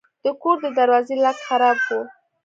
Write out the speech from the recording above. د کور د دروازې لاک خراب و.